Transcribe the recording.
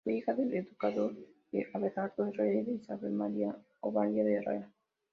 Fue hija del educador Abelardo Herrera y de Isabel María Obaldía de Herrera.